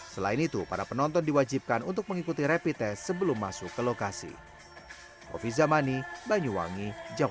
selain itu para penonton diwajibkan untuk mengikuti rapid test sebelum masuk ke lokasi